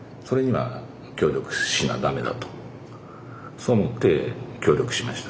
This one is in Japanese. そう思って協力しました